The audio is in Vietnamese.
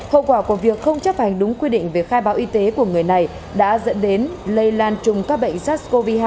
hậu quả của việc không chấp hành đúng quy định về khai báo y tế của người này đã dẫn đến lây lan chung các bệnh sars cov hai